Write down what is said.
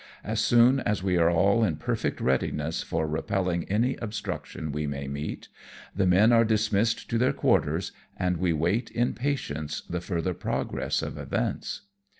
As soon as we are all in perfect readiness for repelling any obstruction we may meet, the men are dismissed to their quarters and we wait in patience the further progress of events.